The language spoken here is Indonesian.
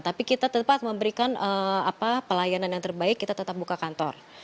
tapi kita tetap memberikan pelayanan yang terbaik kita tetap buka kantor